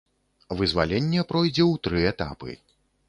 Вызваленне пройдзе ў тры этапы.